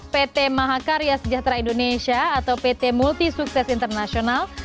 pt mahakarya sejahtera indonesia atau pt multisukses internasional